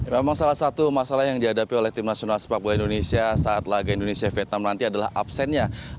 memang salah satu masalah yang dihadapi oleh timnas indonesia saat laga indonesia v enam nanti adalah absennya